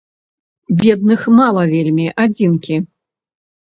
Бедных мала вельмі, адзінкі!